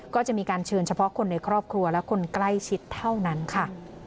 ก็จะมีการเชิญเฉพาะคนในครอบครัวและคนใกล้ชิดเท่านั้นค่ะ